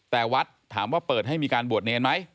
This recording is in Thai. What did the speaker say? แต่วัดถามว่าเปิดให้มีการบวชเนรไหม